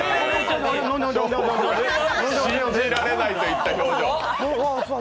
信じられないといった表情。